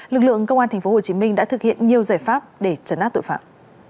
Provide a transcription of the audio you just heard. lực lượng công an tp hcm đã thực hiện nhiều giải pháp để chấn át tội phạm